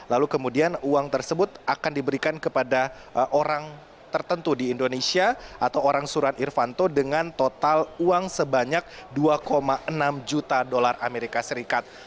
lalu kemudian uang tersebut akan diberikan kepada orang tertentu di indonesia atau orang surat irvanto dengan total uang sebanyak dua enam juta dolar amerika serikat